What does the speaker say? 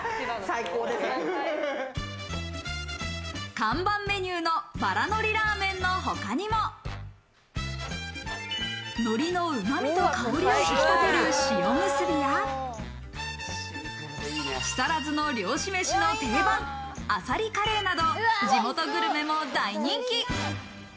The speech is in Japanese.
看板メニューの、ばら海苔ラーメンのほかにも、海苔のうまみと香りを引き立てる塩むすびや木更津の漁師めしの定番、あさりカレーなど地元グルメも大人気。